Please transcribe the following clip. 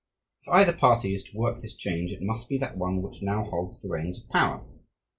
If either party is to work this change, it must be that one which now holds the reins of power.